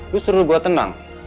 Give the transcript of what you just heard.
lo suruh gue tenang